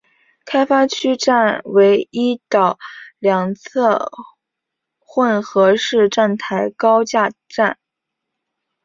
开发区站为一岛两侧混合式站台高架站。